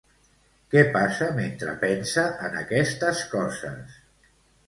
Què passa mentre pensa en aquestes coses?